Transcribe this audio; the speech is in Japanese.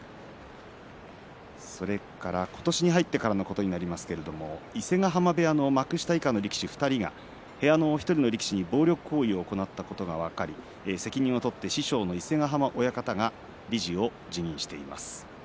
今年に入ってからのことになりますけれども伊勢ヶ濱部屋の幕下以下の力士２人が部屋の１人の力士に暴力行為を行ったことが分かり責任を取って師匠の伊勢ヶ濱親方が理事を辞任しています。